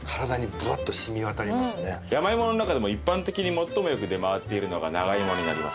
山芋の中でも一般的に最もよく出回っているのが長芋になります。